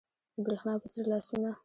د برېښنا په څیر لاسونه